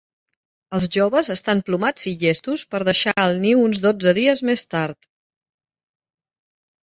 Els joves estan plomats i llestos per deixar el niu uns dotze dies més tard.